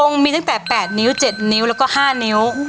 องค์มีตั้งแต่แปดนิ้วเจ็ดนิ้วแล้วก็ห้านิ้วอ๋อ